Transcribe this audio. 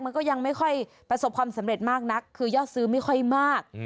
มันก็ยังไม่ค่อยประสบความสำเร็จมากนักคือยอดซื้อไม่ค่อยมาก